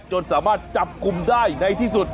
จนสามารถจับกลุ่มได้ในที่สุด